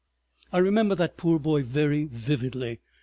... I remember that poor boy very vividly.